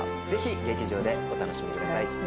ぜひ劇場でお楽しみください。